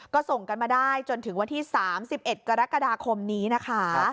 ก็ส่งกันมาได้จนถึงวันที่๓๑กรกฎาคมนี้นะคะ